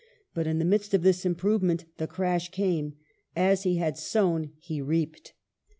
But in the midst of this improvement, the crash came. As he had sown, he reaped.